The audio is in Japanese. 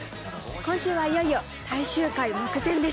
今週はいよいよ最終回目前です。